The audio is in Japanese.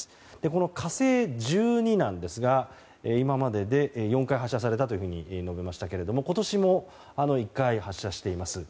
この「火星１２」なんですが今までで４回発射されたと述べましたが今年も１回発射しています。